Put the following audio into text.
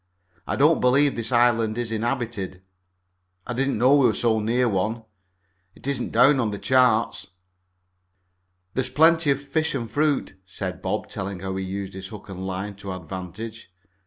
I don't believe this island is inhabited. I didn't know we were so near one. It isn't down on the charts." "There is plenty of fish and fruit," said Bob, telling how he had used his hook and line to advantage.